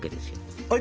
はい！